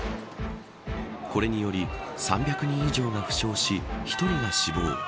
これにより３００人以上が負傷し１人が死亡。